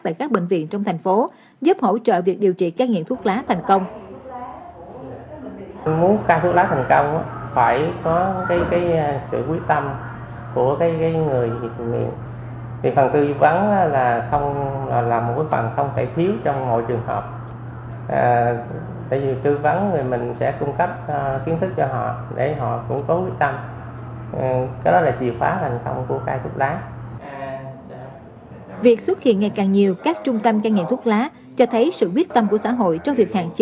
tại các bệnh viện trong thành phố giúp hỗ trợ việc điều trị ca nghiện thuốc lá thành công